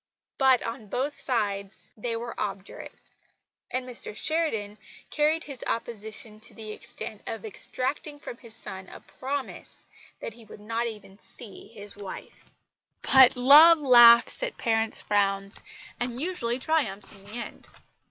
But, on both sides, they were obdurate; and Mr Sheridan carried his opposition to the extent of extracting from his son a promise that he would not even see his wife. But love laughs at parents' frowns and usually triumphs in the end.